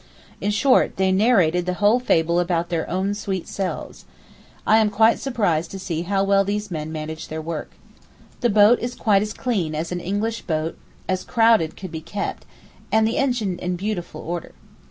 In short, they narrated the whole fable about their own sweet selves. I am quite surprised to see how well these men manage their work. The boat is quite as clean as an English boat as crowded could be kept, and the engine in beautiful order.